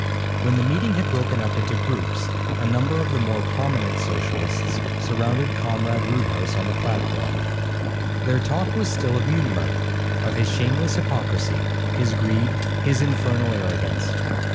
When the meeting had broken up into groups, a number of the more prominent Socialists surrounded Comrade Roodhouse on the platform. Their talk was still of Mutimer, of his shameless hypocrisy, his greed, his infernal arrogance.